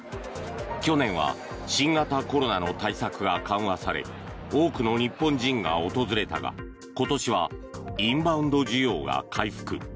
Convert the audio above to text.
去年は新型コロナの対策が緩和され多くの日本人が訪れたが今年はインバウンド需要が回復。